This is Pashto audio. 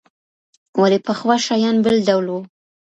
ولې پخوا شیان بل ډول وو؟